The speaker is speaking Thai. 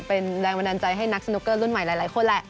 เป็นแรงบันดาลใจให้นักสนุกเกอร์รุ่นใหม่หลายคนแหละ